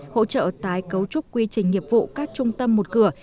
hỗ trợ tái cấu trúc quy trình nghiệp vụ các trung tâm một cửa